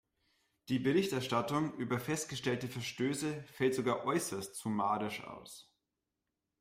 Die Berichterstattung über festgestellte Verstöße fällt sogar äußerst summarisch aus.